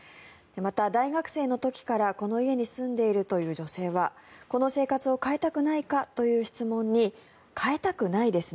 また大学生の時からこの家に住んでいるという女性はこの生活を変えたくないか？という質問に変えたくないですね